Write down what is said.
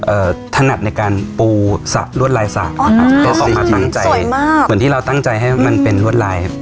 เอ่อถนัดในการปูสะรวดลายสะอ๋ออ๋อสวยมากเหมือนที่เราตั้งใจให้มันเป็นรวดลาย